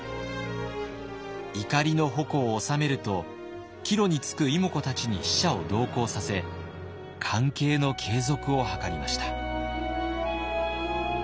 怒りの矛を収めると帰路につく妹子たちに使者を同行させ関係の継続を図りました。